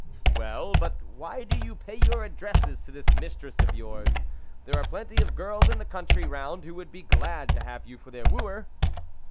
" Well, but why do you pay your ad dresses to this mistress of yours ? There are plenty of girls in the country round who would be glad to have you for their wooer."